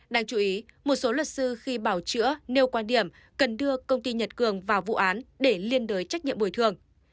đáng chú ý một số luật sư khi bảo chữa nêu quan điểm cần đưa công ty nhật cường vào vụ án để liên đối trách nhiệm bồi thường